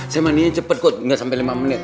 saya mandinya cepet kok gak sampe lima menit